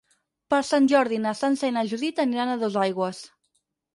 Per Sant Jordi na Sança i na Judit aniran a Dosaigües.